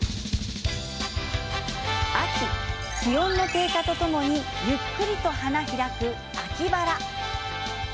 秋気温の低下とともにゆっくりと花開く秋バラ。